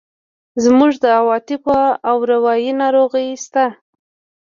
زموږ د عواطفو او اروایي ناروغۍ شته.